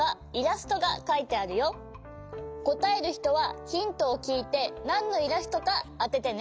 こたえるひとはヒントをきいてなんのイラストかあててね。